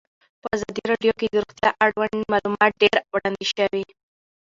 په ازادي راډیو کې د روغتیا اړوند معلومات ډېر وړاندې شوي.